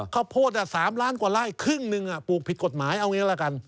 ข้าวโพด๓ล้านกว่าไร่ครึ่งหนึ่งปลูกผิดกฎหมายเอาอย่างนี้ละกัน